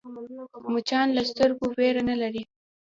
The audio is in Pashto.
مچان له خلکو وېره نه لري